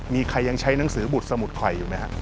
มีใครยังใช้หนังสือบุตรสมุดข่อยอยู่ไหมฮะ